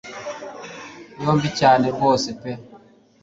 yombi cyane rwose pe